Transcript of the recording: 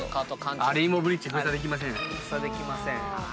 「レインボーブリッジ封鎖できません！」